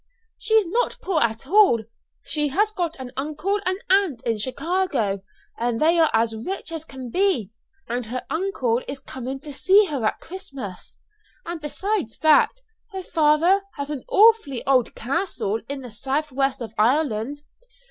"She is not poor at all. She has got an uncle and aunt in Chicago, and they are as rich as can be; and her uncle is coming to see her at Christmas. And besides that, her father has an awfully old castle in the south west of Ireland.